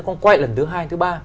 còn quay lần thứ hai thứ ba